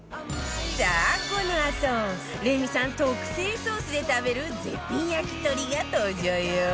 さあこのあとレミさん特製ソースで食べる絶品焼き鳥が登場よ